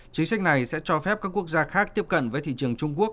chính sách này sẽ cho phép các quốc gia khác tiếp cận với thị trường trung quốc